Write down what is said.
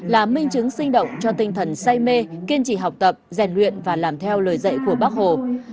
là minh chứng sinh động cho tinh thần say mê kiên trì học tập rèn luyện và làm theo lời dạy của bác hồ